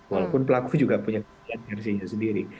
bahkan pelaku juga punya keadilan versinya sendiri